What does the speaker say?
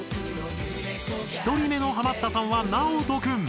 １人目のハマったさんはなおとくん。